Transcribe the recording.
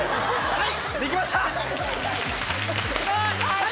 はい！